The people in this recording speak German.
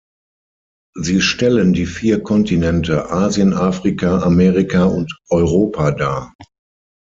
Sie stellen die vier Kontinente Asien, Afrika, Amerika und Europa dar.